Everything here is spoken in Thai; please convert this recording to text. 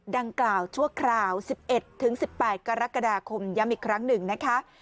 ดังกล่าวชั่วคราว๑๑๑๘กรกฎาคมย้ำอีกครั้งหนึ่งนะคะ